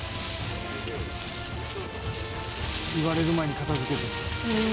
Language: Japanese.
「言われる前に片付けてる」